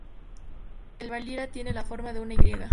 El Valira tiene la forma de una "Y".